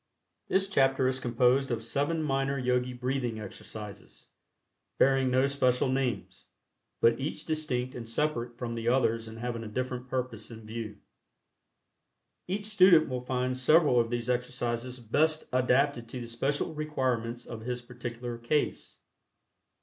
This chapter is composed of seven minor Yogi Breathing Exercises, bearing no special names, but each distinct and separate from the others and having a different purpose in view. Each student will find several of these exercises best adapted to the special requirements of his particular case.